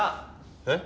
えっ？